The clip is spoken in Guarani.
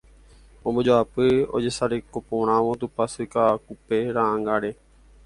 ombojoapy ojesarekoporãvo Tupãsy Ka'akupe ra'ãngáre.